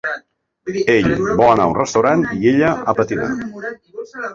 Ell vol anar a un restaurant i ella a patinar.